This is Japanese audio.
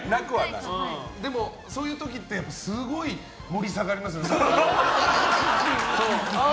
でも、そういう時ってすごい盛り下がります。